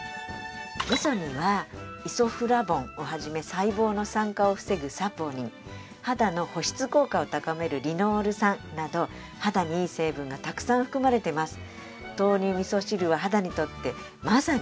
味噌にはイソフラボンを始め細胞の酸化を防ぐサポニン肌の保湿効果を高めるリノール酸など肌にいい成分がたくさん含まれてます。